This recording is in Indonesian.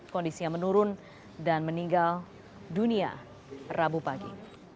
kondisi yang menurun dan meninggal dunia rabu pagi